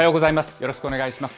よろしくお願いします。